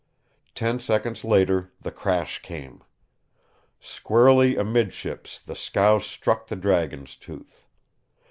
Ten seconds later the crash came. Squarely amidships the scow struck the Dragon's Tooth.